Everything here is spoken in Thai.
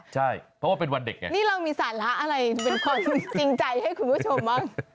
ใช่เพราะว่าเป็นวันเด็กไงนี่เรามีสาระอะไรเป็นความจริงใจให้คุณผู้ชมบ้าง